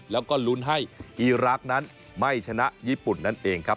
แล้วก็ลุ้นให้อีรักษ์นั้นไม่ชนะญี่ปุ่นนั่นเองครับ